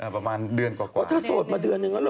ถ้าโสดก็เร็วมาเดือน